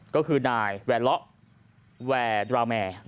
ก็คือนายแวละแวดราแม่